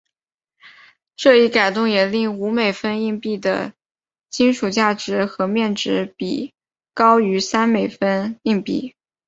这一改动也令五美分硬币的金属价值和面值比高于三美分硬币。